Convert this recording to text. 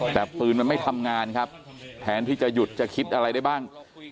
แต่ปืนมันไม่ทำงานครับแทนที่จะหยุดจะคิดอะไรได้บ้าง